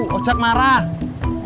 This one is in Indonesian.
combat marah ya